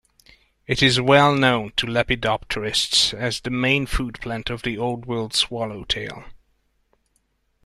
It is well-known to lepidopterists as the main foodplant of the Old World swallowtail.